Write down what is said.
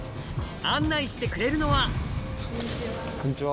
案内してくれるのはこんにちは。